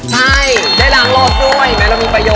ใช่ได้ล้างรถด้วยแม้เรามีประโยชน์